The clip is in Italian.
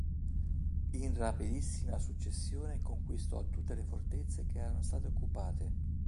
In rapidissima successione conquistò tutte le fortezze che erano state occupate.